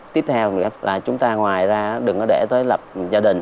tiếp theo là chúng ta ngoài ra đừng có để tới lập gia đình